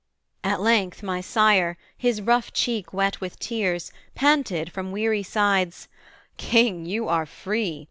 At length my Sire, his rough cheek wet with tears, Panted from weary sides 'King, you are free!